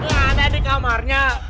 gak ada di kamarnya